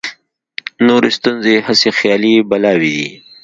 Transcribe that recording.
نورې ستونزې هسې خیالي بلاوې دي.